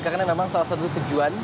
karena memang salah satu tujuan